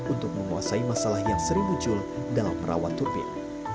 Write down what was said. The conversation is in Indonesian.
untuk menguasai masalah yang sering muncul dalam merawat turbin